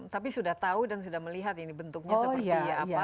tapi sudah tahu dan sudah melihat ini bentuknya seperti apa